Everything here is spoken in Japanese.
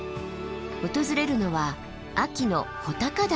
訪れるのは秋の穂高岳。